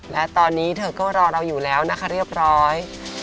และตอนนี้เธอก็รอเราอยู่แล้วนะคะเรียบร้อย